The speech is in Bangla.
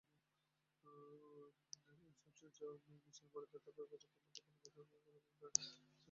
সংশ্লিষ্ট মেশিন অপারেট করার কাজে কমপক্ষে তিন বছরের অভিজ্ঞতা থাকতে হবে।